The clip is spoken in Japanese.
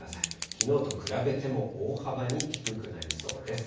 きのうと比べても大幅に低くなりそうです。